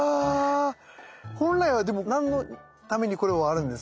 本来はでも何のためにこれはあるんですか？